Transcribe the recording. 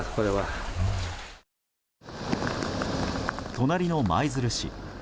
隣の舞鶴市。